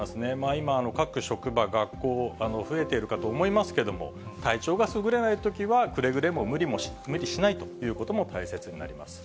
今、各職場、学校、増えているかと思いますけれども、体調がすぐれないときは、くれぐれも無理しないということも大切になります。